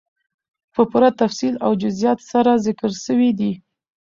په پوره تفصيل او جزئياتو سره ذکر سوي دي،